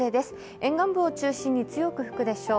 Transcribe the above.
沿岸部を中心に強く吹くでしょう。